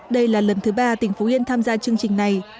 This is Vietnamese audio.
đây là lần thứ ba tỉnh phú yên tham gia chương trình này